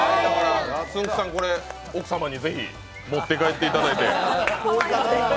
つんく♂さん、これ、奥様にぜひ持って帰っていただいて。